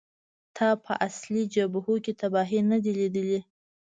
تا په اصلي جبهو کې تباهۍ نه دي لیدلې